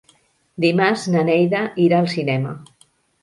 Dimarts na Neida irà al cinema.